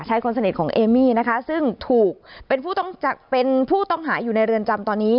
คนสนิทของเอมี่นะคะซึ่งถูกเป็นผู้ต้องหาอยู่ในเรือนจำตอนนี้